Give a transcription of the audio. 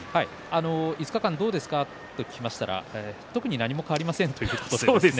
５日間どうですかと聞きましたら特に何も変わりませんという話でした。